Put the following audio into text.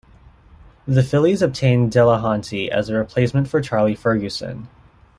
The Phillies obtained Delahanty as a replacement for Charlie Ferguson.